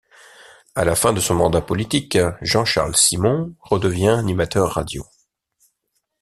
À la fin de son mandat politique, Jean-Charles Simon redevient animateur radio.